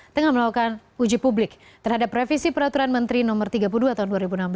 tengah melakukan uji publik terhadap revisi peraturan menteri no tiga puluh dua tahun dua ribu enam belas